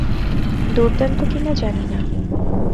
দুর্দান্ত কিনা জানি না।